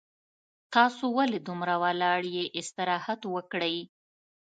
تاسو ولې دومره ولاړ یي استراحت وکړئ